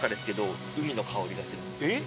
えっ？